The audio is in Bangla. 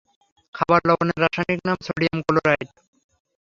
খাবার লবণের রাসায়নিক নাম সোডিয়াম ক্লোরাইড।